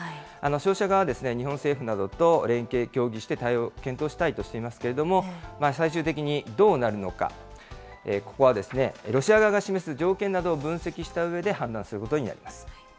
商社側は日本政府などと連携・協議して対応を検討したいとしていますけれども、最終的にどうなるのか、ここはロシア側が示す条件などを分析したうえで判断するこ